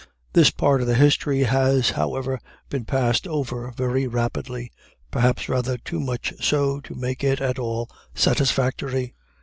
This part of the history has, however, been passed over very rapidly, perhaps rather too much so to make it at all satisfactory.